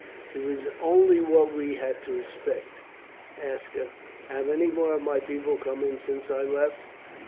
"It was only what we had to expect, Aska. Have any more of my people come in since I left?"